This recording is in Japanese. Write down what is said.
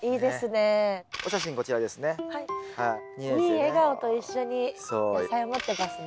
いい笑顔と一緒に野菜持ってますね。